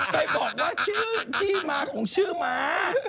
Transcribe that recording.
ไปบอกว่าชื่อที่มาของชื่อม้า